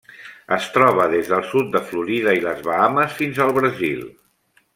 Es troba des del sud de Florida i les Bahames fins al Brasil.